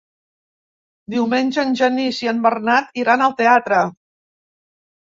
Diumenge en Genís i en Bernat iran al teatre.